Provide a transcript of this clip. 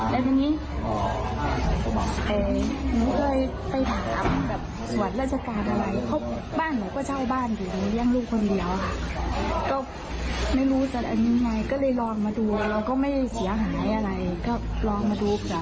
ลองมาดูกับพี่แกพี่หายต้อนที่แกกันนะคะ